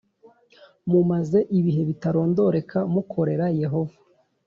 Mumaze ibihe bitarondoreka mukorera Yehova